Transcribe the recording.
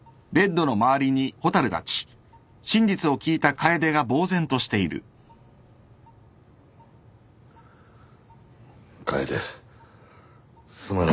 楓すまない。